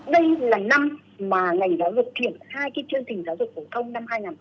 đây là năm mà ngành giáo dục triển khai cái chương trình giáo dục phổ thông năm hai nghìn một mươi tám